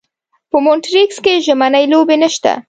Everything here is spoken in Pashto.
په مونټریکس کې ژمنۍ لوبې نشته.